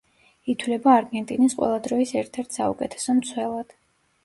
ითვლება არგენტინის ყველა დროის ერთ-ერთ საუკეთესო მცველად.